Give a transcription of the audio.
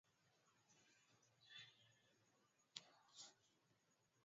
hifadhi ya isimila inapokea idadi kubwa ya watalii